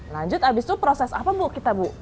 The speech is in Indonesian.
lanjut abis itu proses apa bu kita bu